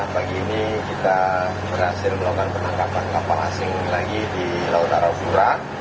pagi ini kita berhasil melakukan penangkapan kapal asing lagi di laut araura